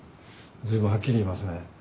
ずいぶんはっきり言いますね。